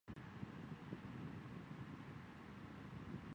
曾任上海豫园书画会会长。